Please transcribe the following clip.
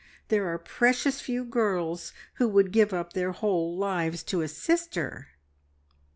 There are precious few girls who would give up their whole lives to a sister."